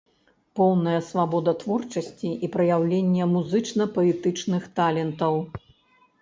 Поўная свабода творчасці і праяўлення музычна-паэтычных талентаў.